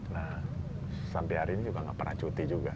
nah sampai hari ini juga nggak pernah cuti juga